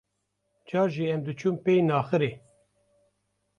Car jî em diçun pey naxirê.